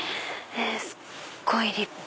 すっごい立派！